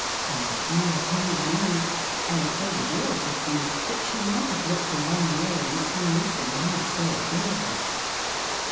And my opinion is (and so would your's have been), that she might have looked a long way, and seen nothing half so agreeable.